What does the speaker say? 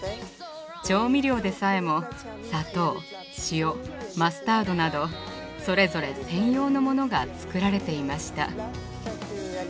調味料でさえも砂糖塩マスタードなどそれぞれ専用のモノが作られていました。